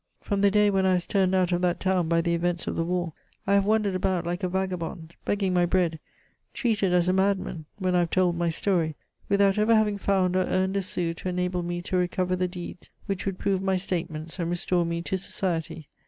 From the day when I was turned out of that town by the events of the war, I have wandered about like a vagabond, begging my bread, treated as a madman when I have told my story, without ever having found or earned a sou to enable me to recover the deeds which would prove my statements, and restore me to society.